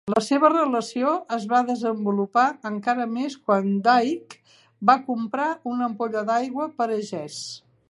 La seva relació es va desenvolupar encara més quan Dicky va comprar una ampolla d'aigua per a Jess.